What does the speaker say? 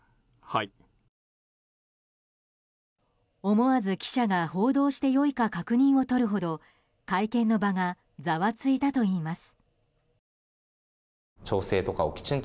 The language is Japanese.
思わず記者が報道してよいか確認をとるほど会見の場がざわついたといいます。